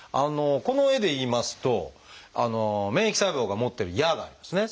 この絵でいいますと免疫細胞が持ってる矢がありますね。